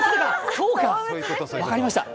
そうか、分かりました。